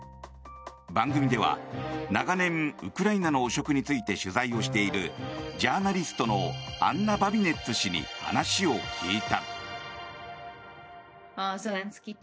番組では長年、ウクライナの汚職について取材をしているジャーナリストのアンナ・バビネッツ氏に話を聞いた。